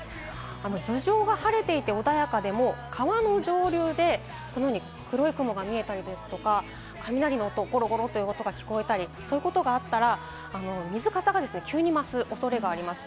頭上が晴れていて穏やかでも、川の上流で黒い雲が見えたり、雷の音、ゴロゴロという音が聞こえたり、そういうことがあったら水かさが急に増す恐れがあります。